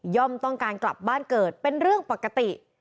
ต้องการกลับบ้านเกิดเป็นเรื่องปกติ